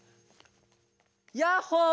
ヤッホー！